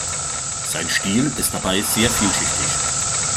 Sein Stil ist dabei sehr vielschichtig.